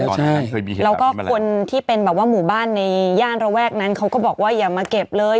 ใช่แล้วก็คนที่เป็นแบบว่าหมู่บ้านในย่านระแวกนั้นเขาก็บอกว่าอย่ามาเก็บเลย